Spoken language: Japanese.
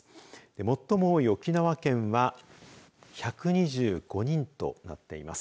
最も多い沖縄県は１２５人となっています。